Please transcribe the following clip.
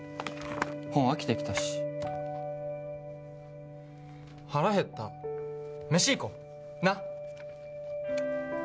本飽きてきたし腹減った飯行こうなっ？